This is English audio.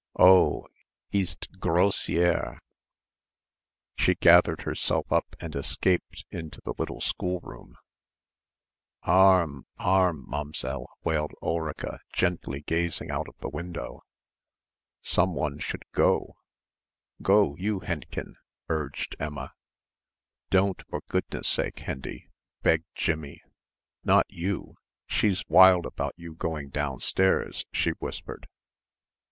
"Oh, c'est grossière!" She gathered herself up and escaped into the little schoolroom. "Armes, armes, Momzell," wailed Ulrica gently gazing out of the window. "Som one should go, go you, Henchen," urged Emma. "Don't, for goodness' sake, Hendy," begged Jimmie, "not you, she's wild about you going downstairs," she whispered.